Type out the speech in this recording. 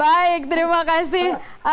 baik terima kasih